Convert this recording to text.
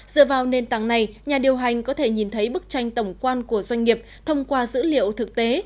dựa vào nền tảng này nhà điều hành có thể nhìn thấy bức tranh tổng quan của doanh nghiệp thông qua dữ liệu thực tế